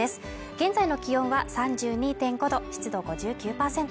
現在の気温は３２．５度湿度５９％